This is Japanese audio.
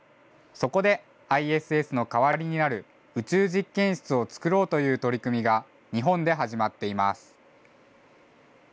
そこでＩＳＳの代わりになる、宇宙実験室を作ろうという取り組みが、日本で始まっています。